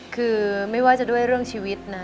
คือไม่ว่าจะด้วยเรื่องชีวิตนะ